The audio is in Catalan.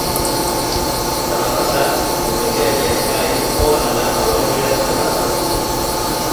Demà passat en Miquel i en Cai volen anar a Calonge de Segarra.